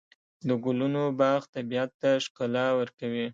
د ګلونو باغ طبیعت ته ښکلا ورکوي.